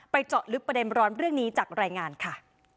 เจาะลึกประเด็นร้อนเรื่องนี้จากรายงานค่ะ